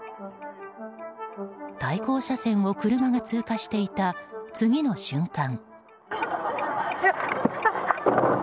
対向車線を車が通過していた次の瞬間。